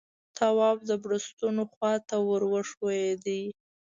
تواب د بړستنو خواته ور وښويېد.